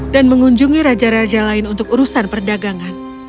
dan mengunjungi raja raja lain untuk urusan perdagangan